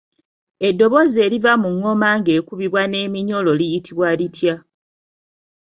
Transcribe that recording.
Eddoboozi eriva mu ngoma ng'ekubwa n'eminyolo liyitibwa litya?